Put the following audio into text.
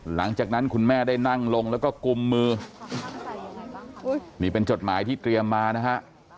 หลังจากนั้นคุณแม่ได้นั่งลงแล้วก็กุมมือนี่เป็นจดหมายที่เตรียมมานะฮะ